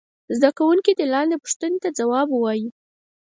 زده کوونکي دې لاندې پوښتنو ته ځواب ووايي.